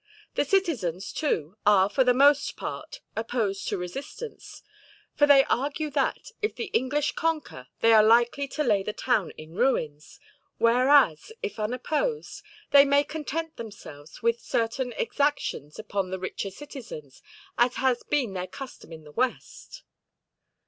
The citizens, too, are for the most part opposed to resistance; for they argue that, if the English conquer, they are likely to lay the town in ruins; whereas, if unopposed, they may content themselves with certain exactions upon the richer citizens, as has been their custom in the west."